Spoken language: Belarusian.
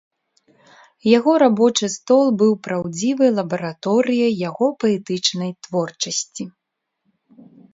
Яго рабочы стол быў праўдзівай лабараторыяй яго паэтычнай творчасці.